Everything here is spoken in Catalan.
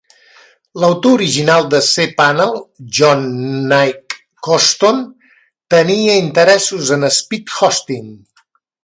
L'autor original de cPanel, John Nick Koston, tenia interessos en Speed Hosting.